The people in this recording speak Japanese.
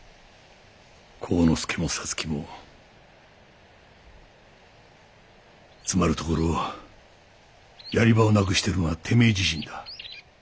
晃之助も皐月も詰まるところやり場をなくしてるのはてめえ自身だ。